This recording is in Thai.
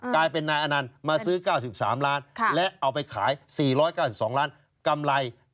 กลายเป็นนายอนันต์มาซื้อ๙๓ล้านและเอาไปขาย๔๙๒ล้านกำไร